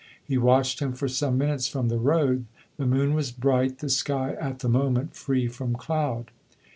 He watched him for some minutes from the road. The moon was bright, the sky at the moment free from cloud.